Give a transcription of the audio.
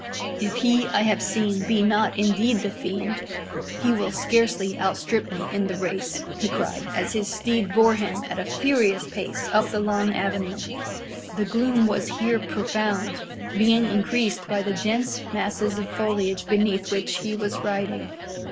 "If he I have seen be not indeed the fiend, he will scarcely outstrip me in the race," he cried, as his steed bore him at a furious pace up the long avenue. The gloom was here profound, being increased by the dense masses of foliage beneath which he was riding.